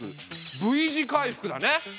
Ｖ字回復だね。